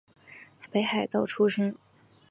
北海道出身。